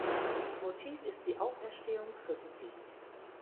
Motiv ist die Auferstehung Christi.